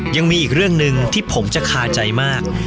ยังมีอีกเรื่องหนึ่งที่ผมจะคาใจมาก